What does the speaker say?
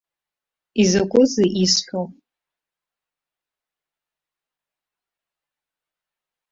Изакәызеи исҳәо?